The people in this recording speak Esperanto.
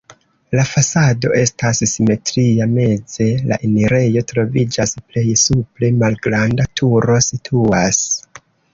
La fasado estas simetria, meze la enirejo troviĝas, plej supre malgranda turo situas.